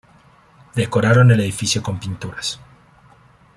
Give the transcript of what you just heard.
Decoraron el edificio con pinturas.